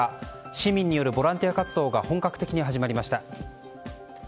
市民によるボランティア活動が本格的に始まりました。